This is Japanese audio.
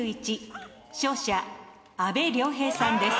勝者阿部亮平さんです。